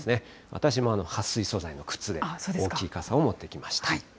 私もはっ水素材の靴で、大きい傘を持ってきました。